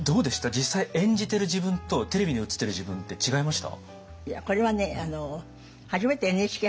実際演じてる自分とテレビに映ってる自分って違いました？